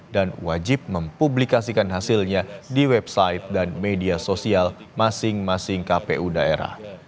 dan wajib mempublikasikan hasilnya di website dan media sosial masing masing kpu daerah